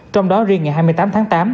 trong đó riêng ngày hai mươi tám tháng tám